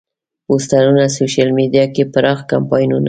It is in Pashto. پوسترونه، سوشیل میډیا کې پراخ کمپاینونه.